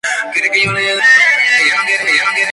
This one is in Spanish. Se inició como banderillero.